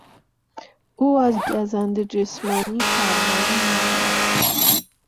او از گزند جسمانی پروایی نداشت.